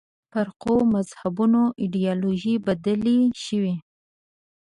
فرقو مذهبونو ایدیالوژۍ بدلې شوې.